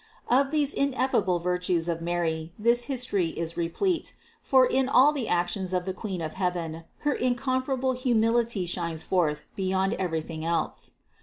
Of these ineffable virtues of Mary this history is replete, for in all the actions of the Queen of heaven her incomparable humility shines forth beyond everything else.